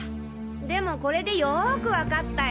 でもこれでよく分かったよ。